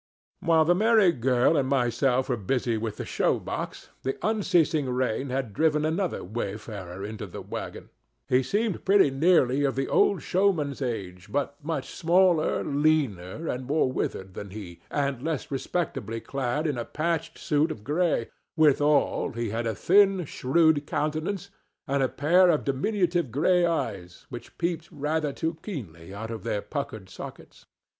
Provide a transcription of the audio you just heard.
While the merry girl and myself were busy with the show box the unceasing rain had driven another wayfarer into the wagon. He seemed pretty nearly of the old showman's age, but much smaller, leaner and more withered than he, and less respectably clad in a patched suit of gray; withal, he had a thin, shrewd countenance and a pair of diminutive gray eyes, which peeped rather too keenly out of their puckered sockets.